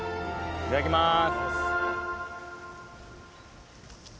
いただきます。